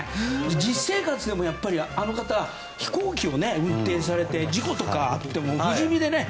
実生活でもあの方、飛行機を運転されて事故とかあっても不死身でね。